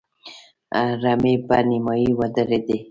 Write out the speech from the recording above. رمې په نيمايي ودرېدې.